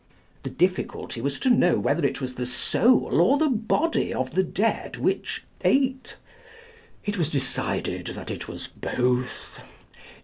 The difficulty was to know whether it was the soul or the body of the dead which ate. It was decided that it was both.